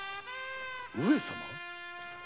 上様！